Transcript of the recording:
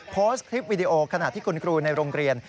โพสต์คลิปวิดีโอขณะที่คุณครูในโรงเรียน